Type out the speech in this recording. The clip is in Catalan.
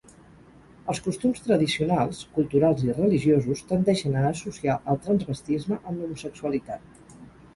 Els costums tradicionals, culturals i religiosos tendeixen a associar el transvestisme amb l'homosexualitat.